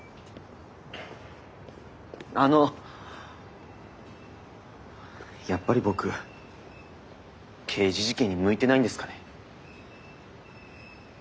あのやっぱり僕刑事事件に向いてないんですかね。